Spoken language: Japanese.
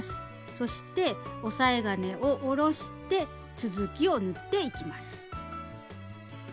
そして押さえ金を下ろして続きを縫っていきます。